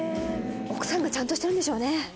奥さんがちゃんとしてるんでしょうね。